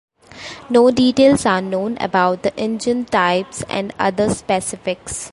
No details are known about the engine types and other specifics.